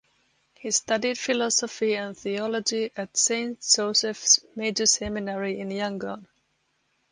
He studied philosophy and theology at Saint Joseph’s Major Seminary in Yangon.